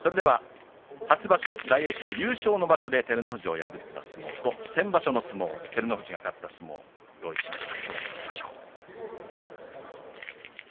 初場所、大栄翔優勝の場所で照ノ富士を破った相撲と先場所の相撲照ノ富士が勝った相撲を用意しました。